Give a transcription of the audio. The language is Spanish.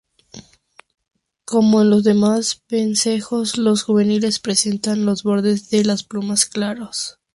Como en los demás vencejos los juveniles presentan los bordes de las plumas claros.